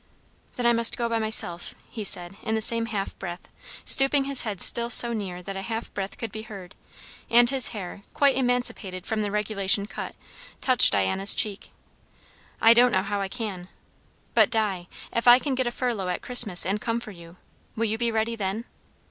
"Then I must go by myself," he said, in the same half breath, stooping his head still so near that a half breath could be heard; and his hair, quite emancipated from the regulation cut, touched Diana's cheek. "I don't know how I can! But, Di if I can get a furlough at Christmas and come for you will you be ready then?"